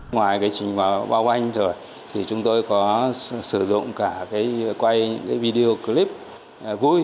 ngoài cái trình báo anh rồi thì chúng tôi có sử dụng cả cái quay video clip vui